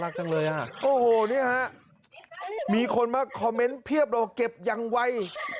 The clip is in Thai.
กี่คนมาคอมเม้นต์เพียบรบเก็บยังไว